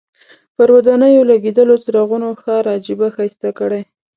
پر ودانیو لګېدلو څراغونو ښار عجیبه ښایسته کړی.